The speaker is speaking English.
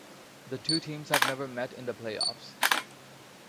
The two teams have never met in the playoffs.